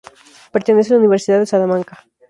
Pertenece a la Universidad de Salamanca.